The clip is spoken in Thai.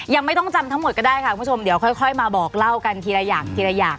ยังไม่ต้องจำทั้งหมดก็ได้ค่ะคุณผู้ชมเดี๋ยวค่อยมาบอกเล่ากันทีละอย่างทีละอย่าง